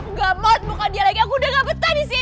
aku gak mau temukan dia lagi aku udah gak betah di sini